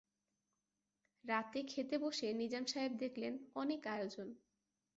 রাতে খেতে বসে নিজাম সাহেব দেখলেন, অনেক আয়োজন।